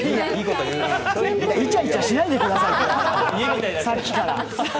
イチャイチャしないでください、さっきから。